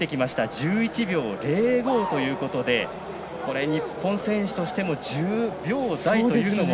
１１秒０５ということでこれは日本選手としても１０秒台というのも。